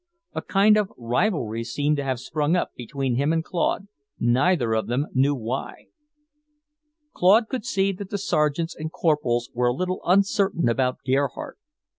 A kind of rivalry seemed to have sprung up between him and Claude, neither of them knew why. Claude could see that the sergeants and corporals were a little uncertain about Gerhardt.